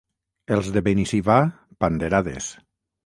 Els de Benissivà, panderades.